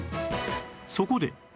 そこで